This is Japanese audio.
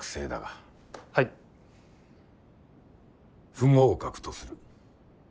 不合格とする。